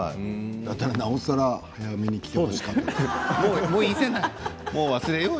だったら、なおさら早めに来てほしかったです。